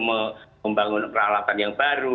membangun peralatan yang baru